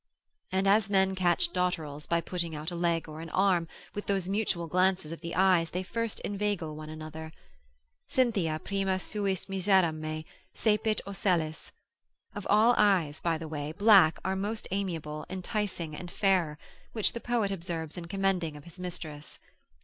And as men catch dotterels by putting out a leg or an arm, with those mutual glances of the eyes they first inveigle one another. Cynthia prima suis miserum me, cepit ocellis. Of all eyes (by the way) black are most amiable, enticing and fairer, which the poet observes in commending of his mistress.